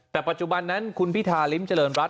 แต่ปัจจุบันนั้นคุณพิธาริมเจริญรัฐ